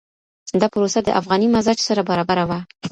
دا پروسه د افغاني مزاج سره برابره وه.